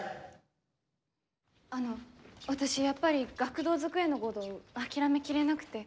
あの私、やっぱり学童机のごど、諦めきれなくて。